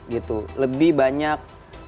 gitu lebih banyak